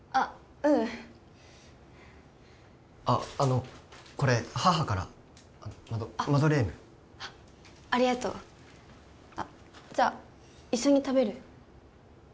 ううんあっあのこれ母からマドレーヌありがとうあっじゃあ一緒に食べる？